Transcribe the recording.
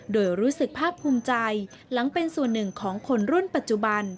โดยรู้สึกภาพภูมิใจหลังเป็นส่วนหนึ่งของคนรุ่นปัจจุบัน